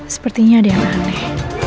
sepertinya ada yang aneh